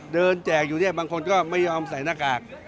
เดินแจกอยู่บางคนก็ไม่ยอมใส่หน้ากาก